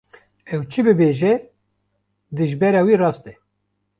Ew çi bibêje, dijbera wê rast e.